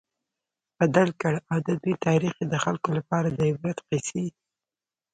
بدل کړ، او د دوی تاريخ ئي د خلکو لپاره د عبرت قيصي